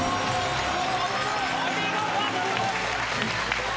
お見事！